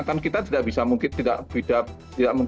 kan kita tidak bisa mungkin tidak